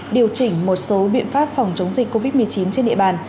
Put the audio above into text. điều chỉnh một số biện pháp phòng chống dịch covid một mươi chín trên địa bàn